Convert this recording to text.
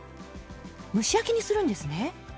蒸し焼きにするんですね。